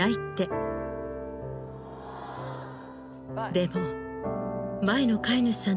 でも。